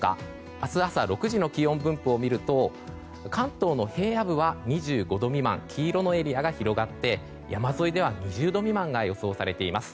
明日朝６時の気温分布を見ると関東の平野部は２５度未満黄色のエリアが広がって、山沿いでは２０度未満が予想されています。